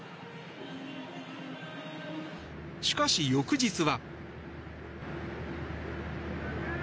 しかし、翌日は。